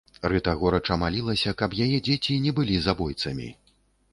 Рыта горача малілася, каб яе дзеці не былі забойцамі.